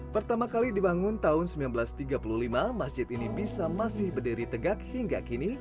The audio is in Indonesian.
pertama kali dibangun tahun seribu sembilan ratus tiga puluh lima masjid ini bisa masih berdiri tegak hingga kini